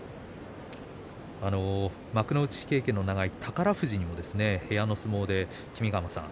幕内経験の長い宝富士にも部屋の相撲で君ヶ濱さん